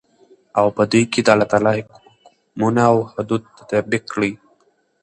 او په دوى كې دالله تعالى حكمونه او حدود تطبيق كړي .